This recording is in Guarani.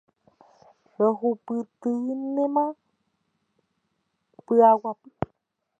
Rohupytýnema pyʼaguapy.